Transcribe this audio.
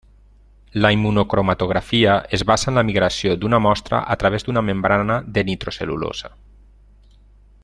La immunocromatografia es basa en la migració d'una mostra a través d'una membrana de nitrocel·lulosa.